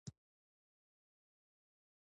هغسې به لمر هر سهار را خېژي